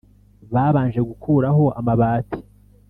babanje gukuraho amabati